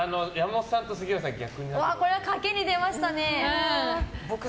これは賭けに出ましたね。